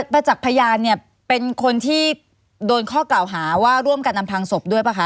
ประจักษ์พยานเนี่ยเป็นคนที่โดนข้อกล่าวหาว่าร่วมกันอำพังศพด้วยป่ะคะ